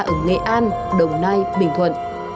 ở nghệ an đồng nai bình thuận